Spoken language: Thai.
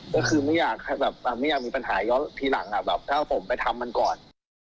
ก็คือไม่อยากมีปัญหาย้อมทีหลังถ้าผมไปทำมันก่อน